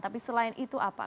tapi selain itu apa